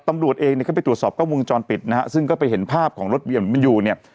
ตำรวจเองเนี่ยเข้าไปตรวจสอบกล้องวงจรปิดนะฮะซึ่งก็ไปเห็นภาพของรถเวียนมันอยู่เนี่ย